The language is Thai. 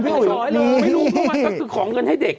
ไม่รู้เพราะมันก็คือขอเงินให้เด็ก